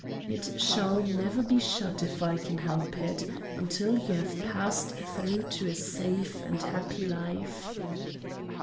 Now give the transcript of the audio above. "It shall never be shut, if I can help it, until you have passed through to a safe and happy life."